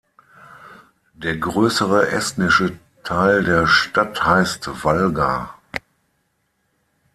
Der größere estnische Teil der Stadt heißt Valga.